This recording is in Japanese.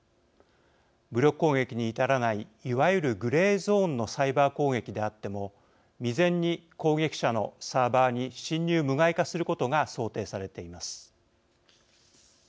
武力攻撃に至らないいわゆるグレーゾーンのサイバー攻撃であっても未然に攻撃者のサーバーに侵入、無害化することが想定されています。